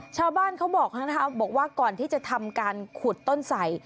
ชาวบ้านเขาบอกนะครับบอกว่าก่อนที่จะทำการขุดต้นใส่